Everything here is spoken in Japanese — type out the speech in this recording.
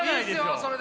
それで。